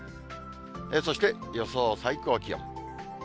そして予想最高気温。